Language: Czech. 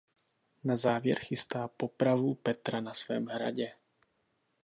Na závěr chystá popravu Petra na svém hradě.